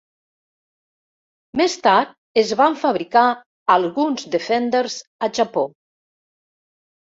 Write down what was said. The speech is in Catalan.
Més tard es van fabricar alguns Defenders a Japó.